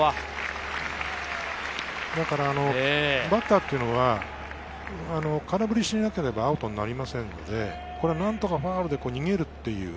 ここはバッターっていうのは空振りしなければアウトになりませんので、何とかファウルで逃げるっていう。